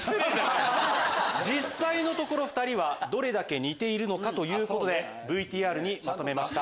実際のところ２人はどれだけ似ているのか？ということでＶＴＲにまとめました。